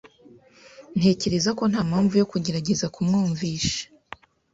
Ntekereza ko nta mpamvu yo kugerageza kumwumvisha.